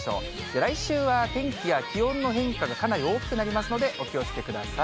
来週は天気や気温の変化がかなり大きくなりますので、お気をつけください。